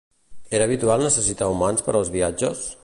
Era habitual necessitar humans per als viatges?